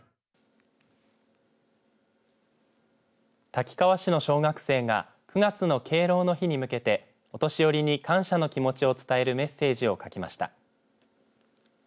滝川市の小学生が９月の敬老の日に向けてお年寄りに感謝の気持ちを伝えるメッセージを書きました。